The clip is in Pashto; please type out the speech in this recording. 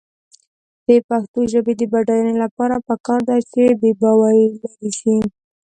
د پښتو ژبې د بډاینې لپاره پکار ده چې بېباوري لرې شي.